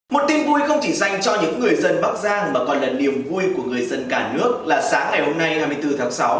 một tin vui không chỉ dành cho những người dân bắc giang mà còn là niềm vui của người dân cả nước là sáng ngày hôm nay hai mươi bốn tháng sáu